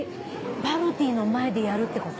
バルディの前でやるってこと？